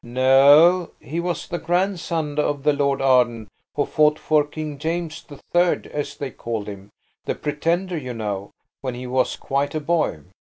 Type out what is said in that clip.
"No; he was the grandson of the Lord Arden who fought for King James the Third, as they called him–the Pretender, you know–when he was quite a boy.